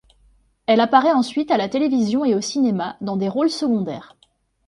Elle apparaît ensuite à la télévision et au cinéma dans des rôles secondaires.